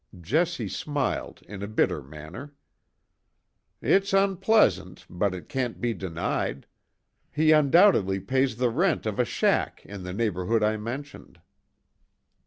Jessie smiled in a bitter manner. "It's unpleasant, but it can't be denied. He undoubtedly pays the rent of a shack in the neighbourhood I mentioned."